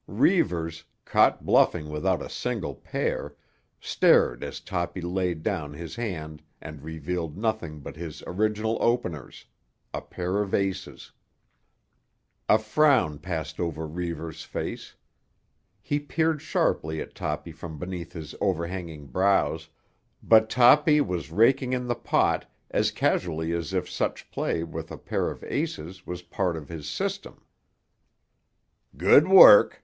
Reivers, caught bluffing without a single pair, stared as Toppy laid down his hand and revealed nothing but his original openers, a pair of aces. A frown passed over Reivers' face. He peered sharply at Toppy from beneath his overhanging brows, but Toppy was raking in the pot as casually as if such play with a pair of aces was part of his system. "Good work!"